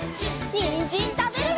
にんじんたべるよ！